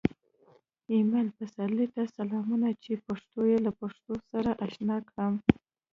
ایمل پسرلي ته سلامونه چې پښتو یې له پښتو سره اشنا کړم